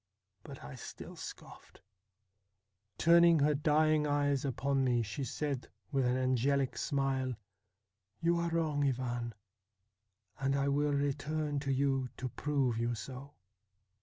But I still scoffed. Turning her dying eyes upon me she said with an angelic smile :'" You are wrong, Ivan, and I will return to you to prove you so."